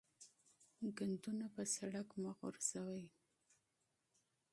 کثافات په سړک مه غورځوئ.